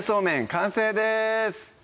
完成です